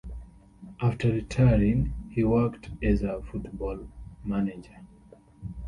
After retiring, he worked as a football manager.